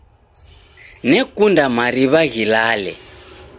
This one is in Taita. Nekunda mariw'a ghilale.